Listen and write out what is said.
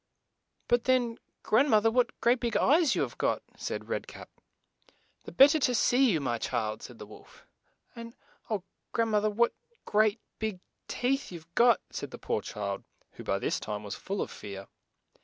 But then, grand moth er, what great big eyes you have got," said Red Cap. "The bet ter to see you, my child," said the wolf. "And, oh, grand moth er what great — big — teeth — you've — got 1 " said the poor child, who by this time was full of fear.